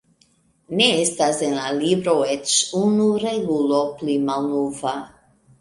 "Ne estas en la libro eĉ unu regulo pli malnova!"